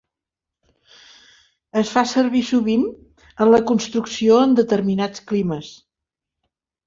Es fa servir sovint en la construcció en determinats climes.